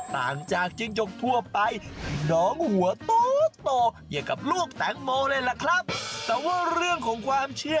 ต่างจากจิ้งจกทั่วไปน้องหัวโตกับลูกแสงโมแต่ว่าในเรื่องของความเชื่อ